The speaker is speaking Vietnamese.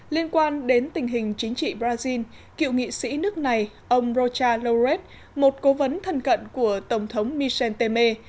liên quan đến tình hình chính trị brazil cựu nghị sĩ nước này ông rocha lewres một cố vấn thân cận của tổng thống michel temer